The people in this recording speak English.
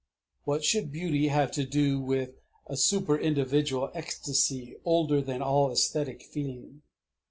What should beauty have to do with a superindividual ecstasy older than all æsthetic feeling?